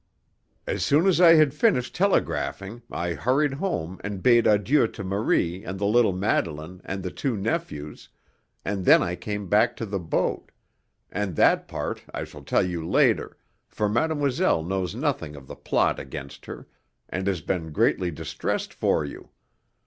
"So as soon as I had finished telegraphing I hurried home and bade adieu to Marie and the little Madeline and the two nephews, and then I came back to the boat and that part I shall tell you later, for mademoiselle knows nothing of the plot against her, and has been greatly distressed for you.